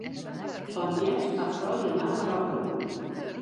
Fan 't hjerst hawwe froulju nauwe rokken oan.